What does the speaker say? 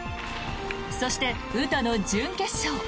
そして、詩の準決勝。